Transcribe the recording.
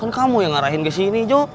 kamu yang ngarahin ke sini jo